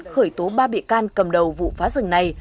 khởi tố ba bị can cầm đầu vụ phá rừng này